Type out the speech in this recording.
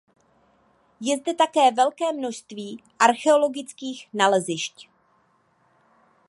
Je zde také velké množství archeologických nalezišť.